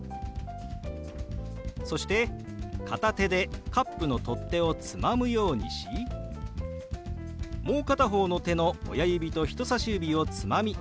そして片手でカップの取っ手をつまむようにしもう片方の手の親指と人さし指をつまみかき混ぜるように動かします。